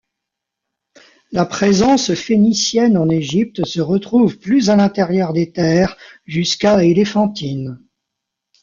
La présence phénicienne en Égypte se retrouve plus à l'intérieur des terres, jusqu'à Éléphantine.